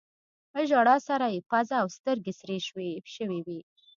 له ژړا سره يې پزه او سترګې سرې شوي وې.